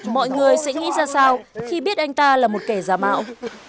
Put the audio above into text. mọi người sẽ nghĩ ra sao khi biết anh ta là một kẻ giả mạo